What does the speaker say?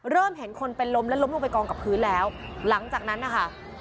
เริ่มเห็นคนเป็นล้มและล้มลงไปกองกับพื้นแล้วหลังจากนั้นนะคะ